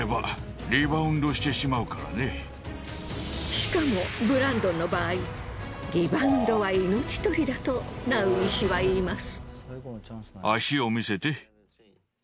しかもブランドンの場合リバウンドは命取りだとナウ医師は言います。